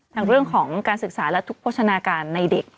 เรื่องของการศึกษาและทุกโภชนาการในเด็ก